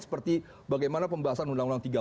seperti bagaimana pembahasan undang undang